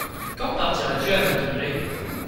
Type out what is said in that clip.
Quand partiras-tu à Madurai ?